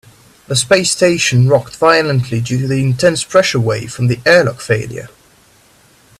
The space station rocked violently due to the intense pressure wave from the airlock failure.